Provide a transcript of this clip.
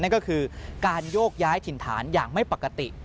นั่นก็คือการโยกย้ายถิ่นฐานอย่างไม่ปกติ